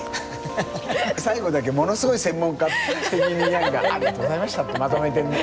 最後だけものすごい専門家的に何かありがとうございましたってまとめてんね。